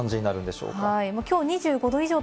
蒸す感じになるんでしょうか？